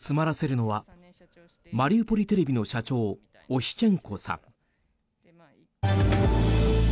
取材中、言葉を詰まらせるのはマリウポリテレビの社長オシチェンコさん。